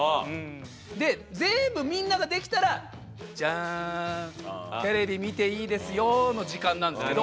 で全部みんなができたら「じゃんテレビ見ていいですよ」の時間なんですけど。